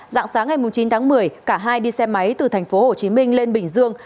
dạng sáng ngày chín tháng một mươi cả hai đi xe máy từ thành phố hồ chí minh lên bình dương